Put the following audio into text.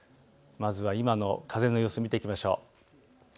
まずは今の風の様子を見ていきましょう。